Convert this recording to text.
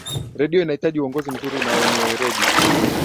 redio inahitaji uongozi mzuri na wenye weredi